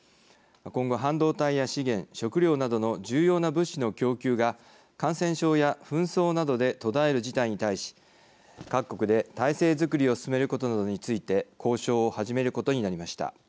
今後半導体や資源、食料などの重要な物資の供給が感染症や紛争などで途絶える事態に対し各国で体制づくりを進めることなどについて交渉を始めることになりました。